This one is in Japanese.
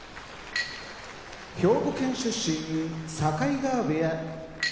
兵庫県出身境川部屋